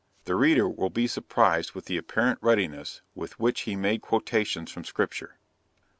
The reader will be surprised with the apparent readiness with which he made quotations from Scripture.